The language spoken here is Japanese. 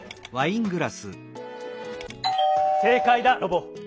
「せいかいだロボ」。